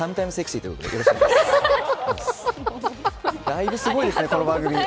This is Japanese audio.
だいぶすごいですね、この番組。